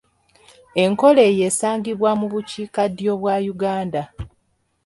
Enkola eyo esangibwa mu bukiikaddyo bwa Uganda.